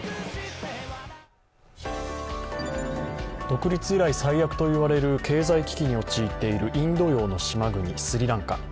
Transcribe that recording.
独立以来最悪といわれる経済危機に陥っているインド洋の島国スリランカ。